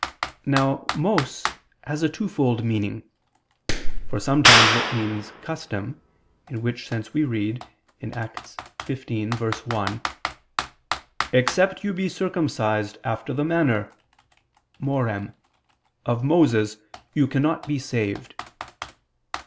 Now mos has a twofold meaning. For sometimes it means custom, in which sense we read (Acts 15:1): "Except you be circumcised after the manner (morem) of Moses, you cannot be saved."